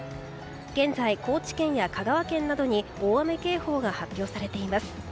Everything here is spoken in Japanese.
現在、高知県や香川県などに大雨警報が発表されています。